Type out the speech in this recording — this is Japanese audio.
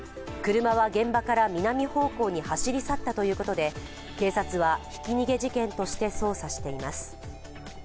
車は現場から南方向に走り去ったということで警察はひき逃げ事件として捜査しています。